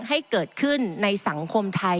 ให้เกิดขึ้นในสังคมไทย